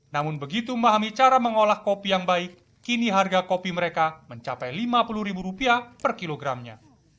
namun begitu memahami cara mengolah kopi yang baik kini harga kopi mereka mencapai rp lima puluh per kilogramnya